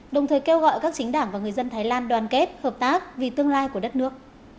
đồng thời kêu gọi các chính đảng và người dân thái lan đoàn kết hợp tác vì tương lai của đất nước